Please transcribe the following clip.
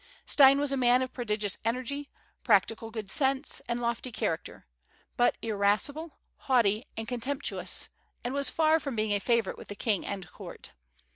Stein was a man of prodigious energy, practical good sense, and lofty character, but irascible, haughty, and contemptuous, and was far from being a favorite with the king and court.